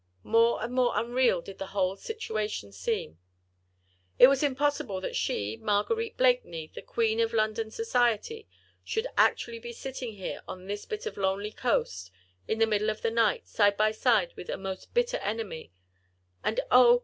More and more unreal did the whole situation seem. It was impossible that she, Marguerite Blakeney, the queen of London society, should actually be sitting here on this bit of lonely coast, in the middle of the night, side by side with a most bitter enemy: and oh!